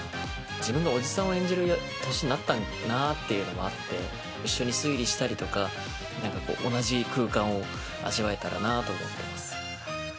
自分がおじさんを演じる年になったなっていうのもあって、一緒に推理したりとか、なんかこう、同じ空間を味わえたらなと思ってます。